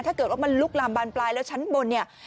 ถ้าเกิดว่ามันลุกลามบานปลายแล้วชั้นบนเนี่ย